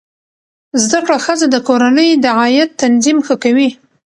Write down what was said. زده کړه ښځه د کورنۍ د عاید تنظیم ښه کوي.